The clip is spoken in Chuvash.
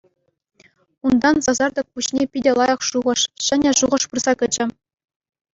Унтан сасартӑк пуҫне питӗ лайӑх шухӑш, ҫӗнӗ шухӑш пырса кӗчӗ.